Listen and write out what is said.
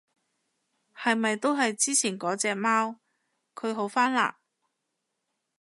係咪都係之前嗰隻貓？佢好返嘞？